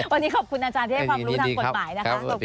วันนี้ขอบคุณอาจารย์ที่ให้ความรู้ทางกฎหมายนะคะ